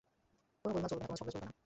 কোন গোলমাল চলবে না, কোন ঝগড়া চলবেনা।